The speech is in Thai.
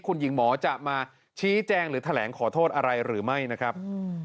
คุณหญิงหมอจะมาชี้แจงหรือแถลงขอโทษอะไรหรือไม่นะครับ